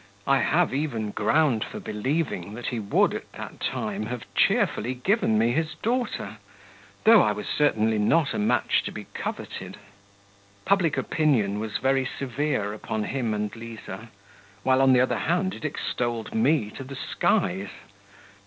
I have even ground for believing that he would at that time have cheerfully given me his daughter, though I was certainly not a match to be coveted. Public opinion was very severe upon him and Liza, while, on the other hand, it extolled me to the skies.